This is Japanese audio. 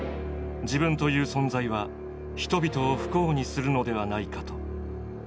自分という存在は人々を不幸にするのではないかと。